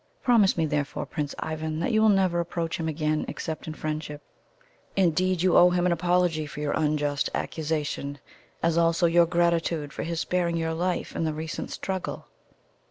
Promise me, therefore, Prince Ivan, that you will never approach him again except in friendship indeed, you owe him an apology for your unjust accusation, as also your gratitude for his sparing your life in the recent struggle."